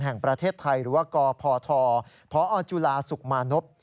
แห่งประเทศไทยหรือว่ากพทพอจุฬาสุขมานพ